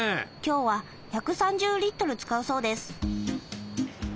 今日は１３０リットル使うそうです。